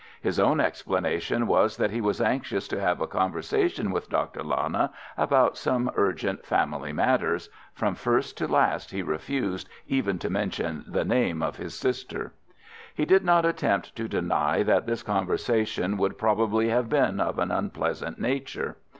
His own explanation was that he was anxious to have a conversation with Dr. Lana about some urgent family matters (from first to last he refused even to mention the name of his sister). He did not attempt to deny that this conversation would probably have been of an unpleasant nature.